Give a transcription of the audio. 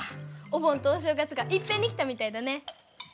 お盆とお正月がいっぺんに来たみたいだね。